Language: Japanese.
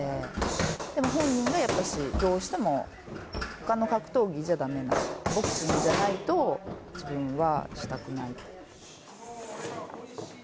でも本人が、やっぱし、どうしてもほかの格闘技じゃだめなんだ、ボクシングじゃないと、自分はしたくないと。